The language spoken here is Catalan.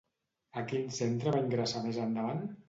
A quin centre va ingressar més endavant?